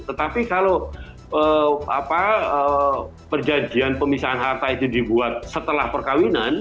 tetapi kalau perjanjian pemisahan harta itu dibuat setelah perkawinan